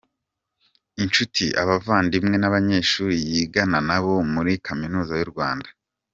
inshuti, abavandimwe nabanyeshuri yigana nabo muri Kaminuza yu Rwanda.